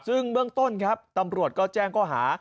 ซึ่งเบื้องต้นครับตำรวจก็แจ้งข้อหา